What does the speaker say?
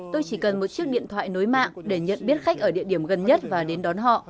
tôi chỉ cần một chiếc điện thoại nối mạng để nhận biết khách ở địa điểm gần nhất và đến đón họ